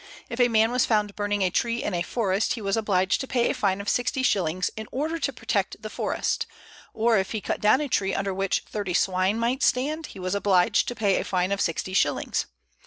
If a man was found burning a tree in a forest, he was obliged to pay a fine of sixty shillings, in order to protect the forest; or if he cut down a tree under which thirty swine might stand, he was obliged to pay a fine of sixty shillings.